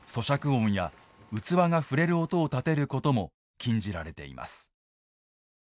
音や器が触れる音をたてることも禁じられています。